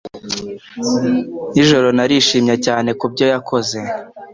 Nijoro narishimye cyane ku byo yakoze.